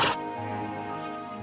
kedepannya adalah kereta